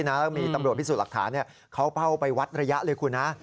แล้วมีตำรวจพิสูจน์หลักฐานเขาเป้าไปวัดระยะเลยคุณนะ